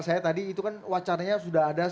saya tadi itu kan wacananya sudah ada